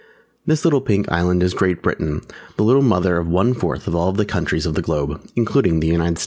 This little Pink Island is Great Britain, the little mother of one fourth of all the countries of the Globe, including the United States.